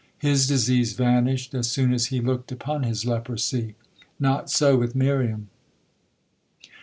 His disease vanished as soon as he looked upon his leprosy. Not so with Miriam.